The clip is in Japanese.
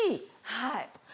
はい。